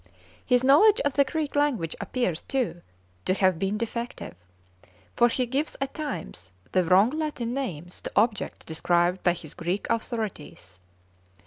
His knowledge of the Greek language appears, too, to have been defective, for he gives at times the wrong Latin names to objects described by his Greek authorities.